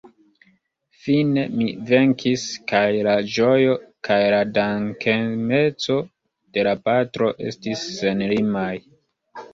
Fine mi venkis, kaj la ĝojo kaj la dankemeco de la patro estis senlimaj.